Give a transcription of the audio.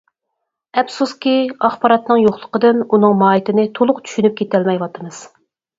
ئەپسۇسكى، ئاخباراتنىڭ يوقلۇقىدىن ئۇنىڭ ماھىيىتىنى تولۇق چۈشىنىپ كېتەلمەيۋاتىمىز.